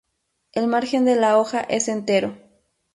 El margen de la hoja es entero.